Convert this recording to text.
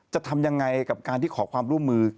จะทำยังไงกับการที่ขอความร่วมมือ